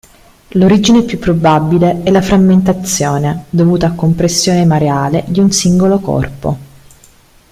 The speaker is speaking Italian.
L'origine più probabile è la frammentazione, dovuta a compressione mareale, di un singolo corpo.